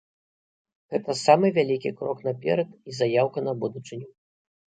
Гэта самы вялікі крок наперад і заяўка на будучыню.